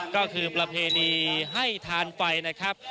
ก็คือประเพณีให้ทานไฟนะครับ